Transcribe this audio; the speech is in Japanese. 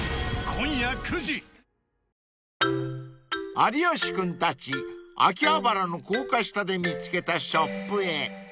［有吉君たち秋葉原の高架下で見つけたショップへ］